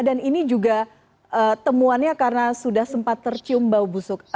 ini juga temuannya karena sudah sempat tercium bau busuk